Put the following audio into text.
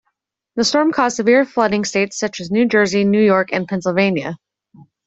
The storm caused severe flooding states such as New Jersey, New York, and Pennsylvania.